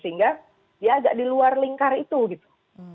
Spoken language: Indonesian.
sehingga dia agak di luar lingkar itu gitu